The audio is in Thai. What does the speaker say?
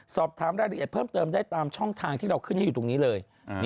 สอบถามรายละเอียดเพิ่มเติมได้ตามช่องทางที่เราขึ้นให้อยู่ตรงนี้เลย